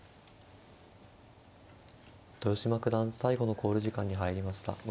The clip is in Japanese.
豊島九段最後の考慮時間に入りました。